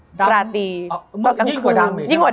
มันทำให้ชีวิตผู้มันไปไม่รอด